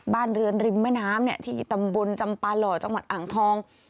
บ้านเรือนริมแม่น้ำที่ตำบลจำปาหล่อจังหวัดอ่างทอง